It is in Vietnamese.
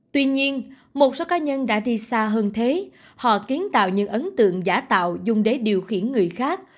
tuy nhiên một số cá nhân đã đi xa hơn thế họ kiến tạo những ấn tượng giả tạo dùng để điều khiển người khác